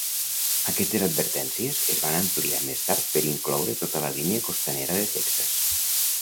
Aquestes advertències es van ampliar més tard per incloure tota la línia costanera de Texas.